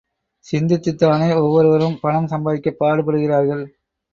சிந்தித்துத் தானே ஒவ்வொருவரும் பணம் சம்பாதிக்கப் பாடுபடுகிறார்கள்.